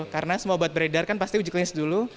karena semua obat beredar kan pasti uji klinis dulu